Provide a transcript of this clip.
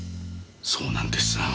そうなんですな。